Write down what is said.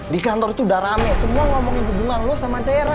di kantor itu udah rame semua ngomongin hubungan lu sama dera